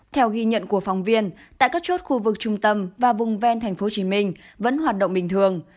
theo ghi nhận của phóng viên tại các chốt khu vực trung tâm và vùng ven tp hcm vẫn hoạt động bình thường